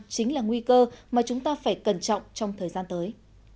chính là nguy cơ mà chúng ta phải cẩn trọng trong thời gian tới